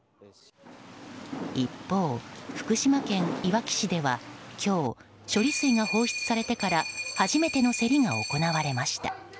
一方、福島県いわき市では今日処理水が放出されてから初めての競りが行われました。